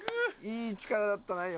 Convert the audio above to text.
いい力だったな今。